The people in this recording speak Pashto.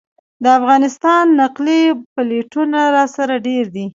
د افغانستان نقلي پلېټونه راسره ډېر دي.